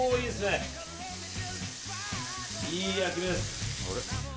いい焼き目です。